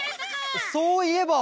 そういえば。